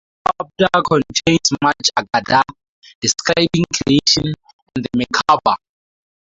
The second chapter contains much aggadah, describing creation, and the Merkabah.